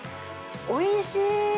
おいしい。